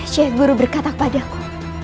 syekh guru berkata kepadaku